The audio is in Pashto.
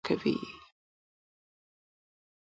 پړانګ په ځنګل کې ښکار کوي.